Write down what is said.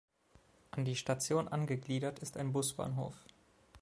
An die Station angegliedert ist ein Busbahnhof.